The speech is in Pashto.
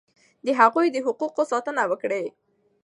د هغوی د حقوقو ساتنه وکړئ.